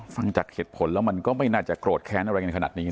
ฟังจากเหตุผลแล้วมันก็ไม่น่าจะโกรธแค้นอะไรกันขนาดนี้